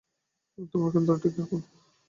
তোমার কেন্দ্র ঠিক রাখো।